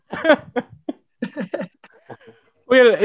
itu berarti lu diajakin